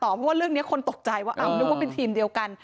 เพราะว่าเรื่องนี้คนตกใจว่านึกว่าเป็นทีมเดียวกัน